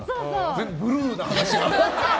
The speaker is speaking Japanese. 全部ブルーな話だな。